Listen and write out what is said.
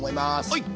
はい！